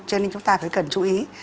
cho nên chúng ta phải cần chú ý